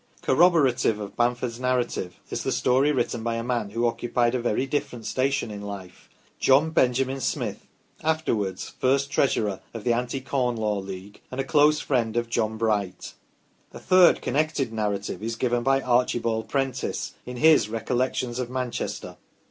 Corroborative of Bamford's narrative is the story written by a man who occupied a very different station in life, John Benjamin Smith, afterwards first treasurer of the Anti Corn Law League, and a close friend of John Bright. A third connected narrative is given by Archibald Prentice, in his "Recollections of Manchester".